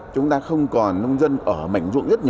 chúng ta không còn nông dân ở mảnh ruộng nhất